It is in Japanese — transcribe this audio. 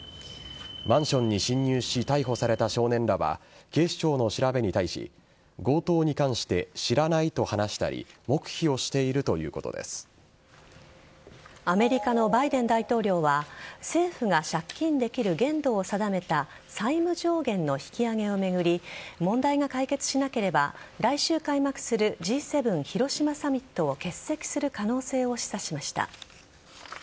マンションに侵入し逮捕された少年らは警視庁の調べに対し強盗に関して知らないと話したりアメリカのバイデン大統領は政府が借金できる限度を定めた債務上限の引き上げを巡り問題が解決しなければ来週開幕するＧ７広島サミットを欠席する可能性を示唆しました。